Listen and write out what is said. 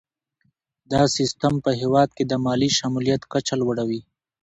دا سیستم په هیواد کې د مالي شمولیت کچه لوړوي.